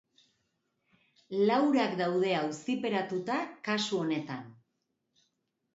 Laurak daude auziperatuta kasu honetan.